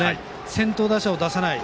先頭打者を出さない。